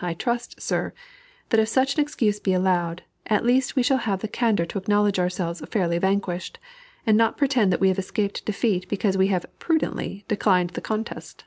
I trust, sir, that, if such an excuse be allowed, at least we shall have the candor to acknowledge ourselves fairly vanquished, and not pretend that we have escaped defeat because we have "prudently" declined the contest.